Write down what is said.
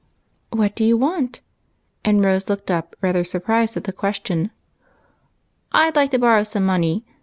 " What do you want ?" and Rose looked up rather surprised at his question. " I 'd like to borrow some money.